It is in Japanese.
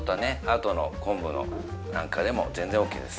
後の昆布なんかでも全然ＯＫです